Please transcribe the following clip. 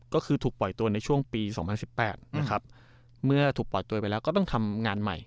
ก็คือถูกปล่อยตัวในช่วงปี๒๐๑๘นะครับเมื่อถูกปล่อยตัวไปแล้วก็ต้องทำงานใหม่